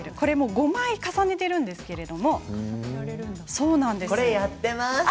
５枚重ねているんですけれど。